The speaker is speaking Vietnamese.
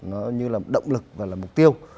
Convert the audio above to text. nó như là động lực và là mục tiêu